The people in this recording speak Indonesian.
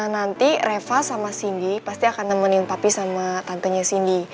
nanti reva sama cindy pasti akan nemenin papi sama tantenya cindy